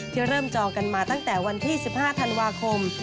เริ่มจองกันมาตั้งแต่วันที่๑๕ธันวาคม